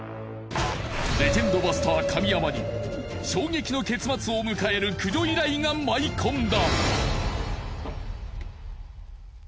レジェンドバスター神山に衝撃の結末を迎える駆除依頼が舞い込んだ。